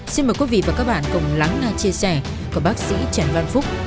xin mời quý vị và các bạn cùng lắng nghe chia sẻ của bác sĩ trần văn phúc